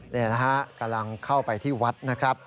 นี่นะฮะกำลังเข้าไปที่วัดนะครับ